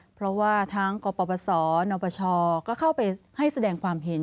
เพราะว่าทั้งกปศนปชก็เข้าไปให้แสดงความเห็น